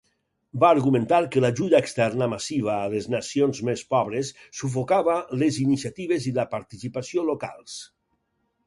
Va argumentar que l'ajuda externa massiva a les nacions més pobres sufocava les iniciatives i la participació locals.